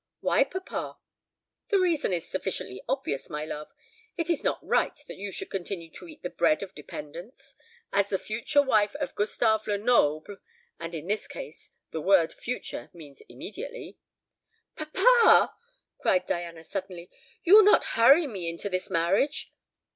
"Why, papa?" "The reason is sufficiently obvious, my love. It is not right that you should continue to eat the bread of dependence. As the future wife of Gustave Lenoble and in this case, the word future means immediately " "Papa," cried Diana suddenly, "you will not hurry me into this marriage?